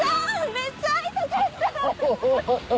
めっちゃ会いたかった！